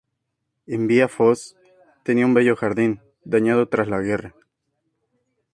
En vía Fosse, tenía un bello jardín dañado tras la guerra.